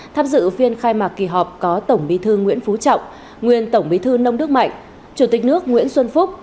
tham dự phiên khai mạc kỳ họp có tổng bí thư nguyễn phú trọng nguyên tổng bí thư nông đức mạnh chủ tịch nước nguyễn xuân phúc